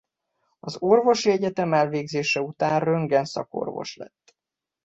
Az orvosi egyetem elvégzése után röntgen szakorvos lett.